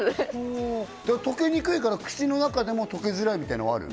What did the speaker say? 溶けにくいから口の中でも溶けづらいみたいのはある？